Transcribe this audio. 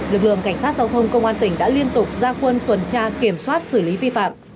lực lượng cảnh sát giao thông công an tỉnh đã liên tục gia quân tuần tra kiểm soát xử lý vi phạm